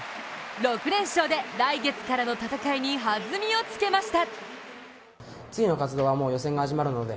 ６連勝で来月からの戦いに弾みをつけました。